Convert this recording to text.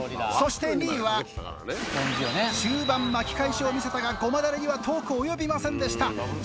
そして２位は中盤巻き返しを見せたが胡麻だれには遠く及びませんでした。